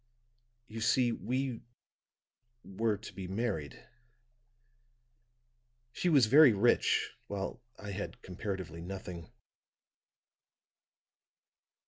You see, we were to be married; she was very rich, while I had comparatively nothing.